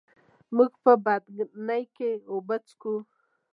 موږ په بدنۍ کي اوبه څښو.